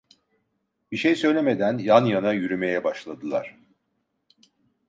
Bir şey söylemeden yan yana yürümeye başladılar.